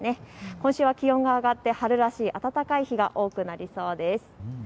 今週は気温が上がって春らしい暖かい日が多くなりそうです。